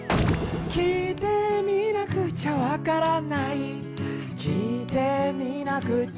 「きいてみなくちゃわからない」「きいてみなくっちゃ」